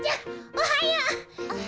おはよう。